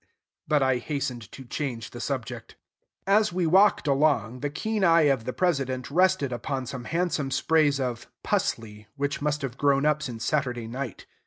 but I hastened to change the subject. As we walked along, the keen eye of the President rested upon some handsome sprays of "pusley," which must have grown up since Saturday night.